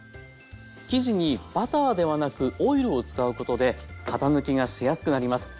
生地にバターではなくオイルを使うことで型抜きがしやすくなります。